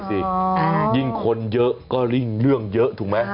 สิยิ่งคนเยอะก็ยิ่งเรื่องเยอะถูกไหม